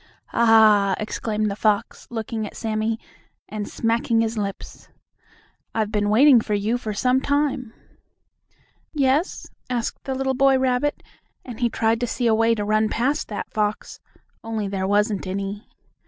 "Ah!" exclaimed the fox, looking at Sammie, and smacking his lips, "I've been waiting for you for some time." "Yes?" asked the little boy rabbit, and he tried to see a way to run past that fox, only there wasn't any.